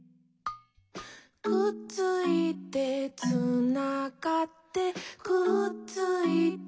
「くっついて」「つながって」「くっついて」